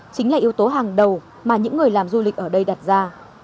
chính là yếu tố hàng đầu mà những người làm du lịch ở đây đặt ra